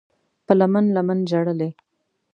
په لمن، لمن ژړلي